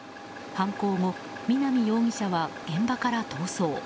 犯行後、南容疑者は現場から逃走。